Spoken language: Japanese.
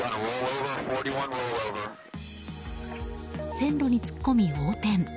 線路に突っ込み横転。